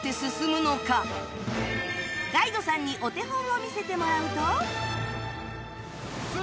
ガイドさんにお手本を見せてもらうと